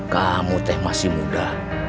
kamu teh masih muda